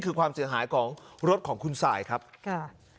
คือความเสียหายของรถของคุณสายครับค่ะ